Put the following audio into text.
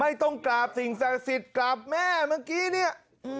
ไม่ต้องกราบสิ่งศักดิ์สิทธิ์กราบแม่เมื่อกี้เนี่ย